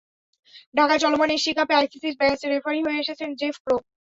ঢাকায় চলমান এশিয়া কাপে আইসিসির ম্যাচ রেফারি হয়ে এসেছেন জেফ ক্রো।